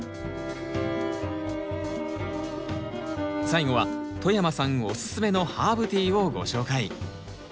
最後は外山さんおすすめのハーブティーをご紹介。